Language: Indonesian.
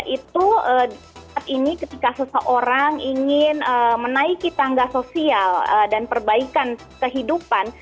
itu saat ini ketika seseorang ingin menaiki tangga sosial dan perbaikan kehidupan